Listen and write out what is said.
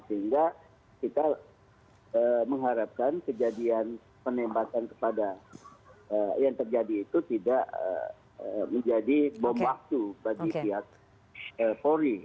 sehingga kita mengharapkan kejadian penembakan kepada yang terjadi itu tidak menjadi bom waktu bagi pihak polri